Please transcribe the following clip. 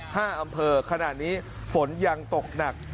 ห้าอำเภอขณะนี้ฝนยังตกหนัก